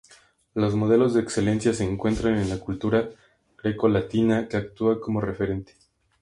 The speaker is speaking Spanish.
Los modelos de excelencia se encuentran en la cultura grecolatina que actúa como referente.